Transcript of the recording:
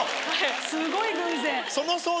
すごい偶然。